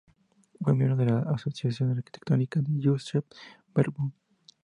Fue miembro de la asociación arquitectónica Deutscher Werkbund.